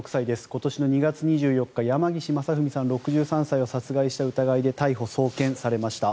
今年の２月２４日山岸正文さん、６３歳を殺害した疑いで逮捕・送検されました。